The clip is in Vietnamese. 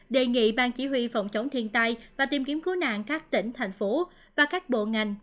đề nghị bang chỉ huy phòng chống thiên tai và tìm kiếm cứu nạn các tỉnh thành phố và các bộ ngành